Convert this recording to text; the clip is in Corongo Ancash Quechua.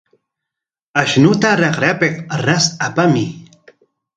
Ashnuta raqrapik ras apamuy.